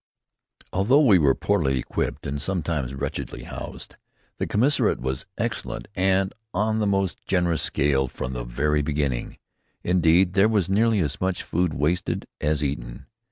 Although we were poorly equipped and sometimes wretchedly housed, the commissariat was excellent and on the most generous scale from the very beginning. Indeed, there was nearly as much food wasted as eaten.